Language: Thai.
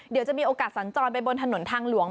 เดี๋ยวจะมีโอกาสสัญจรไปบนถนนทางหลวง